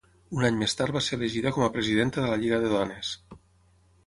Un any més tard va ser elegida com a Presidenta de la Lliga de Dones.